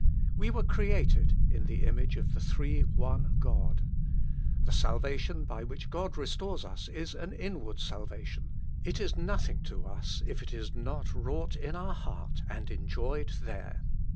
We were created in the image of the Three One God. The salvation by which God restores us is an inward salvation; it is nothing to us if it is not wrought in our heart and en joyed there.